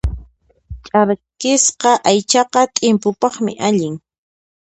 Ch'arkisqa aychaqa t'impupaqmi allin.